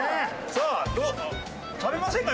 さあ食べませんか？